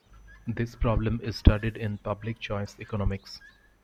This problem is studied in public choice economics.